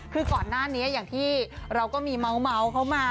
คือก่อนหน้านี้อย่างที่เราก็มีเมาส์เข้ามา